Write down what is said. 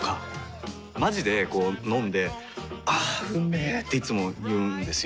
まじでこう飲んで「あーうんめ」っていつも言うんですよ。